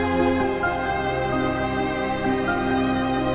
don watching indonesia